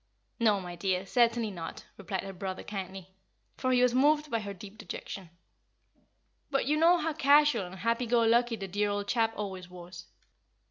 "No, my dear, certainly not," replied her brother, kindly; for he was moved by her deep dejection. "But you know how casual and happy go lucky the dear old chap always was.